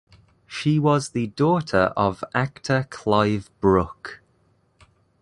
She was the daughter of actor Clive Brook.